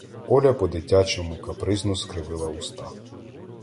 Оля по-дитячому капризно скривила уста.